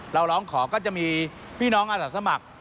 เราร้องขอก็จะมีพี่น้องอาศักดิ์สมัคร